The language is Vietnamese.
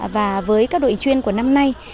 và với các đội hình chuyên của năm nay